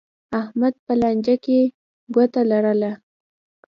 احمد په لانجه کې ګوته لرله.